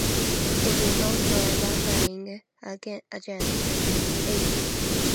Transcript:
It is also a buffering agent.